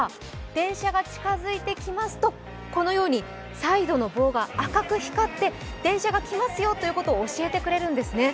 電車が近づいてきますと、このように、サイドの棒が赤く光って電車が来ますよということを教えてくれるんですね。